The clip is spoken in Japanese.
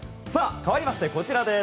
かわりましてこちら。